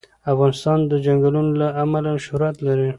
افغانستان د چنګلونه له امله شهرت لري.